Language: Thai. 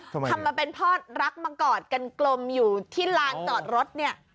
ทำมาเป็นพ่อรักมากอดกันกลมอยู่ที่ลานจอดรถเนี่ย